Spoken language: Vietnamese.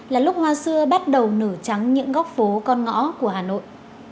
là lúc hoa xưa bắt đầu nở trắng những góc phố con ngõ của hà nội